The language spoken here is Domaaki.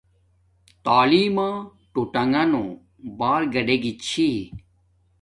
تعیلم ما ٹوٹانݣ بار گاڈے گی چھی